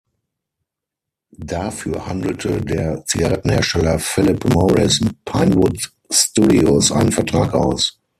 Dafür handelte der Zigarettenhersteller Philip Morris mit Pinewood Studios einen Vertrag aus.